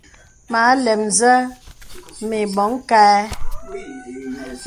Mə àlɛm zé mə̀ àbɔŋ kâ ɛ.